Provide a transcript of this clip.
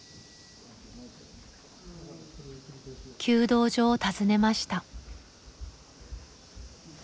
弓道場を訪ねました。